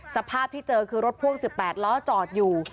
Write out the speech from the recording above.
สภาพที่เจอคือรถพ่วง๑๘ล้อจอดอยู่